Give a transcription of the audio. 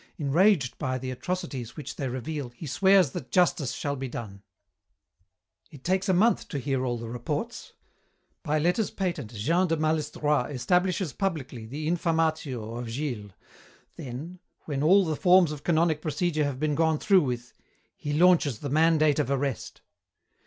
Enraged by the atrocities which they reveal, he swears that justice shall be done. "It takes a month to hear all the reports. By letters patent Jean de Malestroit establishes publicly the 'infamatio' of Gilles, then, when all the forms of canonic procedure have been gone through with, he launches the mandate of arrest.